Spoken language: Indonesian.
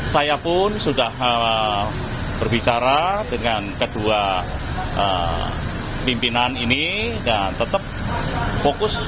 saya pun sudah berbicara dengan kedua pimpinan ini dan tetap fokus